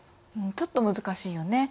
ちょっと難しいよね。